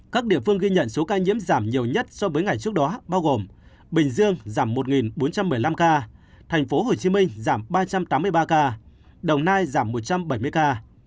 các địa phương ghi nhận số ca nhiễm giảm nhiều nhất so với ngày trước đó bao gồm bình dương giảm một bốn trăm một mươi năm ca thành phố hồ chí minh giảm ba trăm tám mươi ba ca đồng nai giảm một trăm bảy mươi ca